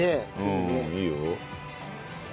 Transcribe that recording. いいよ。